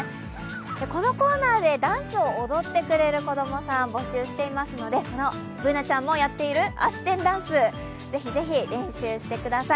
このコーナーでダンスを踊ってくれる子供さん、募集していますのでＢｏｏｎａちゃんもやっているあし天ダンス、是非是非練習してください。